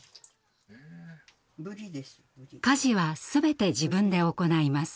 家事は全て自分で行います。